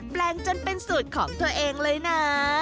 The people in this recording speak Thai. ปล่อยเป็นสูตรของเธอเองเลยนะ